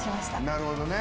なるほどね。